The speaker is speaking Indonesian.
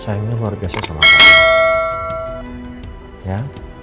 sayangnya keluarga sama kamu ya just be careful aja